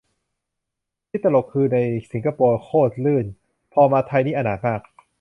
ที่ตลกคือ ในสิงคโปร์โคตรลื่น พอมาไทยนี่อนาถมาก